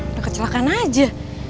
udah kecelakaan aja